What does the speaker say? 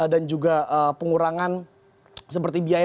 dan juga pengurangan seperti biaya